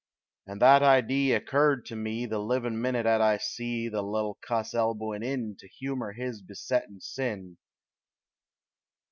And that idee occurred to me The livin' minit 'at I see The little cuss elbowin' in To humor his besettin' sin.